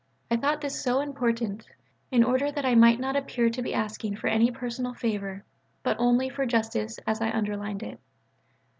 I thought this so important, in order that I might not appear to be asking for any personal favour but only for justice, that I underlined it.